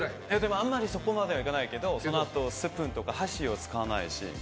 あんまりそこまでいかないけどそのあとスプーンとか箸を使わないし。